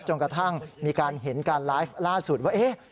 จนกระทั่งมีการเห็นการไลฟ์ล่าสุดว่า